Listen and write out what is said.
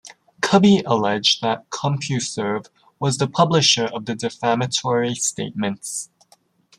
Cubby alleged that CompuServe was the publisher of the defamatory statements.